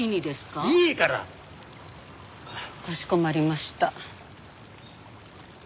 かしこまりました。